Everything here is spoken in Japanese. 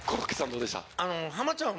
どうでした？